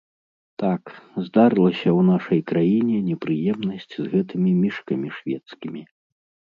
Так, здарылася ў нашай краіне непрыемнасць з гэтымі мішкамі шведскімі.